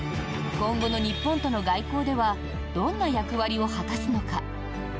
今後の日本との外交ではどんな役割を果たすのか。